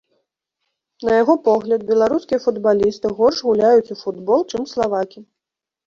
На яго погляд, беларускія футбалісты горш гуляюць у футбол, чым славакі.